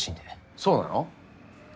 そうなの？